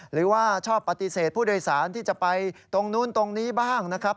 หรือว่าชอบปฏิเสธผู้โดยสารที่จะไปตรงนู้นตรงนี้บ้างนะครับ